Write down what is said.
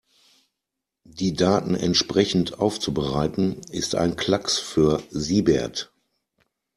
Die Daten entsprechend aufzubereiten, ist ein Klacks für Siebert.